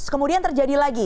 kemudian terjadi lagi